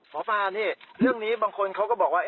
หมอปลานี่เรื่องนี้บางคนเขาก็บอกว่า